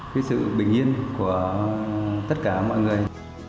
cái sự bình yên của tất cả mọi người